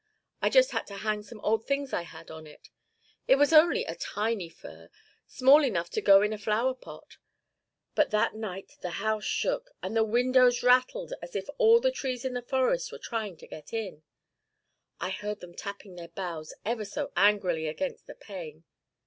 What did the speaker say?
I just had to hang some old things I had on it. It was only a tiny fir, small enough to go in a flower pot; but that night the house shook, and the windows rattled as if all the trees in the forest were trying to get in. I heard them tapping their boughs ever so angrily against the pane.